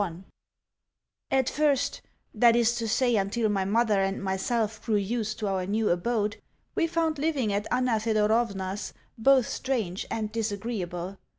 II AT first that is to say, until my mother and myself grew used to our new abode we found living at Anna Thedorovna's both strange and disagreeable.